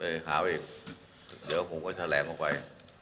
หาว่าอีกเดี๋ยวผมก็แถลงออกไป